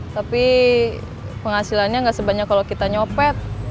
tapi penghasilannya nggak sebanyak kalau kita nyopet